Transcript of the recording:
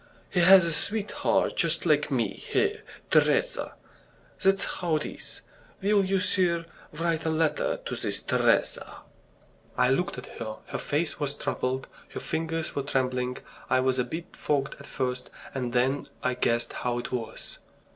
He has a sweetheart just like me here, Teresa. That's how it is. Will you, sir, write a letter to this Teresa?" I looked at her her face was troubled, her fingers were trembling. I was a bit fogged at first and then I guessed how it was.